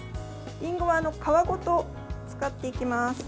りんごは皮ごと使っていきます。